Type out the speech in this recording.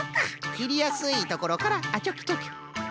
きりやすいところからあっチョキチョキ。